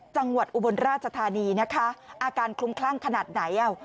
จังหวัดอุบลราชธานีนะคะอาการคลุมคลั่งขนาดไหนเอ้า